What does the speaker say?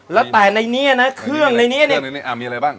แล้วแต่ในนี้นะเครื่องในนี้เนี่ยมีอะไรบ้าง